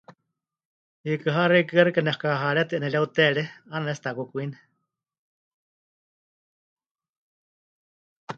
Hiikɨ ha xeikɨ́a xɨka nexɨkakaharétɨ 'enereuteeré, 'aana pɨnetsi'utakukwine.